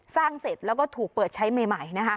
สร้างเสร็จแล้วก็ถูกเปิดใช้ใหม่นะฮะ